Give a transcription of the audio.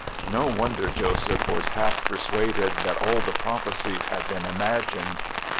No wonder Joseph was half persuaded that all the prophecies had been imagined.